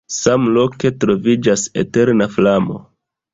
Samloke troviĝas eterna flamo.